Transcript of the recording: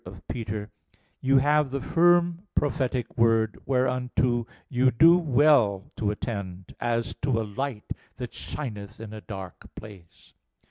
1:19: "You have the firm prophetic word, whereunto you do well to attend, as to a light that shineth in a dark place."